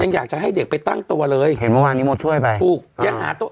ยังอยากจะให้เด็กไปตั้งตัวเลยเห็นวันนี้หมดช่วยไปถูกยังหา